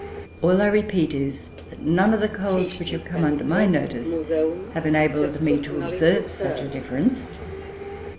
All I repeat is, that none of the coals which have come under my notice have enabled me to observe such a difference.